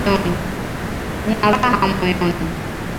Nina raha moyoni